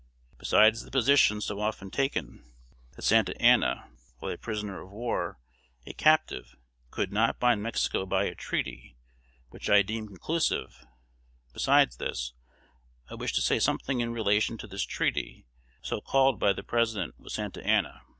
Besides the position so often taken that Santa Anna, while a prisoner of war, a captive, could not bind Mexico by a treaty, which I deem conclusive, besides this, I wish to say something in relation to this treaty, so called by the President, with Santa Anna.